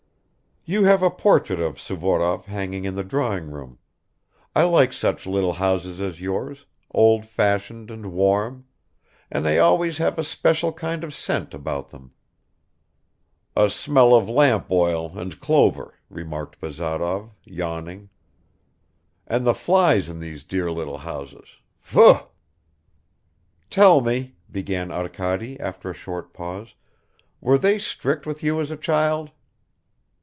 "You have a portrait of Suvorov hanging in the drawing room. I like such little houses as yours, old fashioned and warm; and they always have a special kind of scent about them." "A smell of lamp oil and clover," remarked Bazarov, yawning. "And the flies in these dear little houses ... fugh!" "Tell me," began Arkady after a short pause, "were they strict with you as a child?"